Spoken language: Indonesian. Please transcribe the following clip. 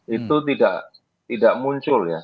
itu tidak muncul ya